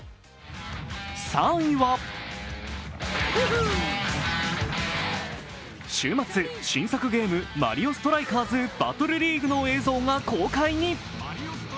３位は週末、新作ゲーム「マリオストライカーズバトルリーグ」の映像が公開に。